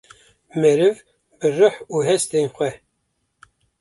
Meriv bi rih û hestin xwe